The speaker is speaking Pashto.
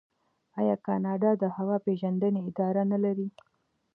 آیا کاناډا د هوا پیژندنې اداره نلري؟